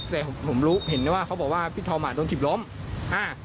แต่ผมผมรู้เห็นได้ว่าเขาบอกว่าพี่ธอมอ่ะโดนถีบล้มอ่า